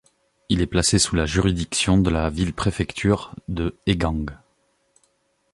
Il est placé sous la juridiction de la ville-préfecture de Hegang.